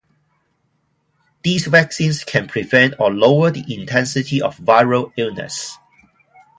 These vaccines can prevent or lower the intensity of viral illness.